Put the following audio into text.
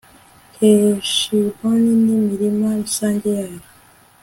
heshiboni n'imirima rusange yayo